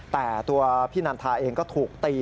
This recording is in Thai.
แต่ตัวพี่นันทาเองก็ถูกตี